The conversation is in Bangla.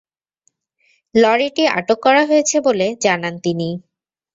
লরিটি আটক করা হয়েছে বলে জানান তিনি।